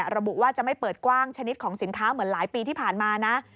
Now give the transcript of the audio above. ระบุว่าจะไม่เปิดกว้างชนิดของสินค้าเหมือนหลายปีที่ผ่านมานะ